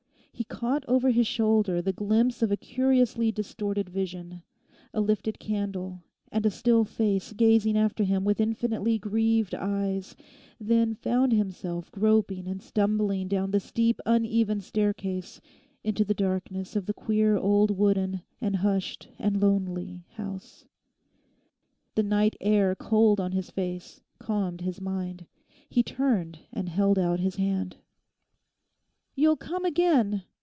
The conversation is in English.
He caught over his shoulder the glimpse of a curiously distorted vision, a lifted candle, and a still face gazing after him with infinitely grieved eyes, then found himself groping and stumbling down the steep, uneven staircase into the darkness of the queer old wooden and hushed and lonely house. The night air cold on his face calmed his mind. He turned and held out his hand. 'You'll come again?